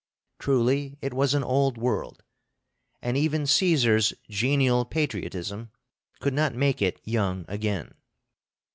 Truly it was an old world, and even Cæsar's genial patriotism could not make it young again.